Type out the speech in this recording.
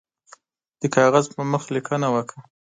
د کاغذ پر مخ لیکنه وکړه.